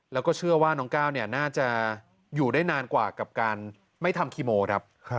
แล้วก็เชื่อว่าน้องก้าวน่าจะอยู่ได้นานกว่ากับการไม่ทำคีโมครับ